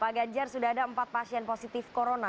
pak ganjar sudah ada empat pasien positif corona